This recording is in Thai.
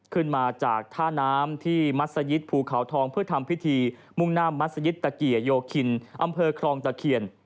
ขึ้นมาจากท่าน้ำที่มัศยิตภูเขาทองเพื่อทำพิธีมุ่งหน้ามัศยิตตะเกียโยคินอำเภอครองตะเคียน